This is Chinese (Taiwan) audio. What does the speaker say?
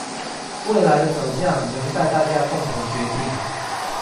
未來的走向仍待大家共同決定